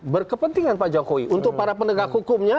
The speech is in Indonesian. berkepentingan pak jokowi untuk para penegak hukumnya